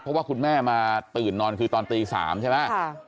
เพราะว่าคุณแม่มาตื่นนอนคือตอนตี๓ใช่ไหม